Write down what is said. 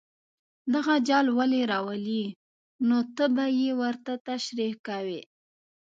دغه جال ولې راولي نو ته به یې ورته تشریح کوې.